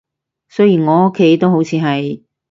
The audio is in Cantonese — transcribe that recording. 雖然我屋企都好似係